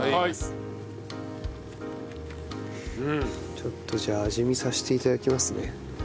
ちょっとじゃあ味見させて頂きますね。